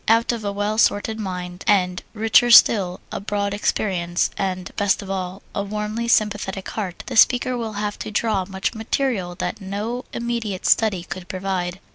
Out of a well stored mind, and richer still a broad experience, and best of all a warmly sympathetic heart, the speaker will have to draw much material that no immediate study could provide.